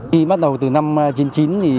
khi bắt đầu từ năm chín mươi chín thì